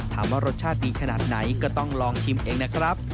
ถามว่ารสชาติดีขนาดไหนก็ต้องลองชิมเองนะครับ